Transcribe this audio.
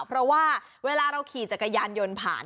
เพราะว่าเวลาเราขี่จักรยานยนต์ผ่าน